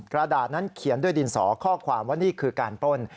กระดาษนั้นเขียนด้วยดินสอข้อความว่านี่คือการป้น